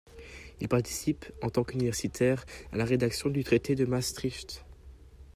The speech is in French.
Il participe, en tant qu'universitaire, à la rédaction du traité de Maastricht.